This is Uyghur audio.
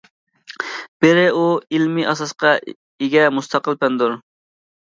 بىرى، ئۇ ئىلمىي ئاساسقا ئىگە مۇستەقىل پەندۇر.